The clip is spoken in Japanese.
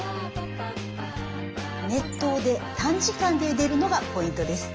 熱湯で短時間でゆでるのがポイントです。